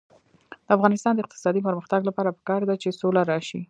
د افغانستان د اقتصادي پرمختګ لپاره پکار ده چې سوله راشي.